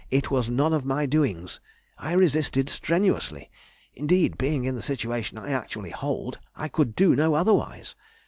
It was none of my doings. I resisted strenuously. Indeed, being in the situation I actually hold, I could do no otherwise.